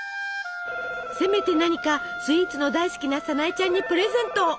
せめて何かスイーツの大好きなさなえちゃんにプレゼントを！